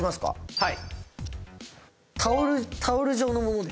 はい。